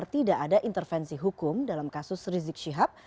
tidak ada intervensi hukum dalam kasus rizik syihab